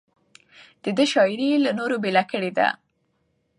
د ده شاعري له نورو بېله کړې ده.